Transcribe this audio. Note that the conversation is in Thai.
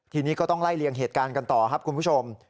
ทีนี้ก็ต้องไล่เลี่ยงเหตุการณ์กันต่อครับคุณผู้ชม